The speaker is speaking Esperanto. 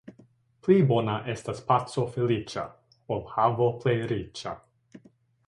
Pli bona estas paco feliĉa, ol havo plej riĉa.